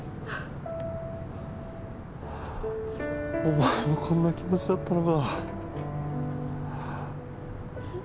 お前もこんな気持ちだったのか。